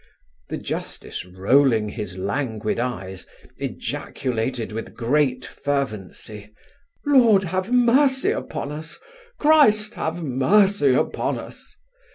The justice, rolling his languid eyes, ejaculated with great fervency, 'Lord, have mercy upon us! Christ, have mercy upon us!